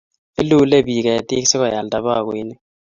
Ilule pik ketik si koyalda bakoinik